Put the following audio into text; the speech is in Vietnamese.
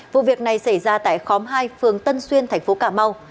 vụ việc này xảy ra tại khóm hai phường tân xuyên tp cà mau